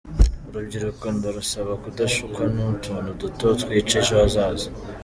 urubyiruko ndarusaba kudashukwa n’utuntu doto twica ejo hazaza.